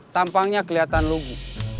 tampangnya kelihatan lugu